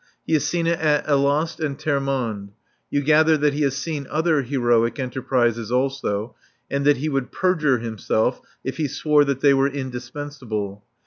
He has seen it at Alost and Termonde. You gather that he has seen other heroic enterprises also and that he would perjure himself if he swore that they were indispensable.